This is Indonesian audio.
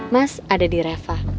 mas ada di reva